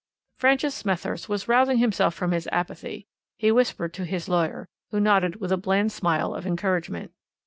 "Francis Smethurst was rousing himself from his apathy; he whispered to his lawyer, who nodded with a bland smile of encouragement.